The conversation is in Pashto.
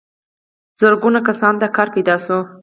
زرګونو کسانو ته کار پیدا شوی.